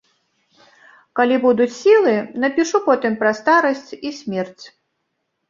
Калі будуць сілы, напішу потым пра старасць і смерць.